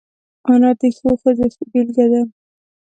انا د ښو ښځو بېلګه ده